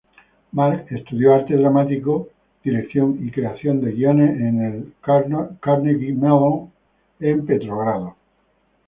Mark estudió arte dramático, dirección y creación de guiones en Carnegie Mellon en Pittsburgh.